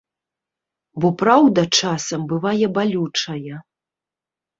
Бо праўда часам бывае балючая.